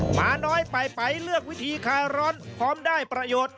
หมาน้อยไปไปเลือกวิธีคลายร้อนพร้อมได้ประโยชน์